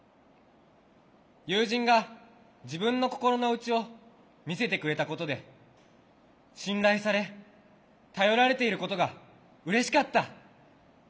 友人が自分の心の内を見せてくれたことで信頼され頼られていることがうれしかった。